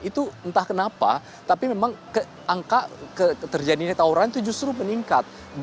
itu entah kenapa tapi memang angka terjadinya tawuran itu justru meningkat